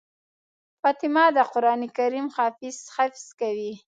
فاطمه د قرآن کريم حفظ کوي.